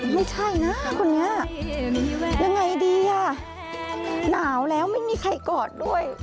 ไม่ใช่นะคนนี้ยังไงดีอ่ะหนาวแล้วไม่มีใครกอดด้วย